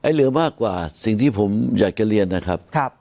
เหลือมากกว่าสิ่งที่ผมอยากจะเรียนนะครับ